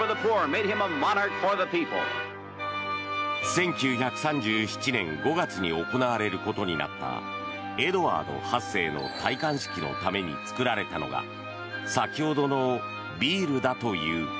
１９３７年５月に行われることになったエドワード８世の戴冠式のために造られたのが先ほどのビールだという。